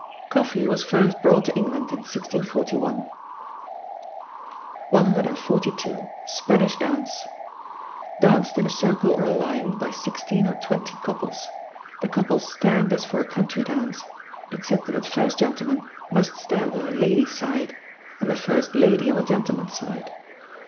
[COFFEE WAS FIRST BROUGHT TO ENGLAND IN 1641.] 142. Spanish Dance. Danced in a circle or a line by sixteen or twenty couples. The couples stand as for a Country Dance, except that the first gentleman must stand on the ladies' side, and the first lady on the gentlemen's side.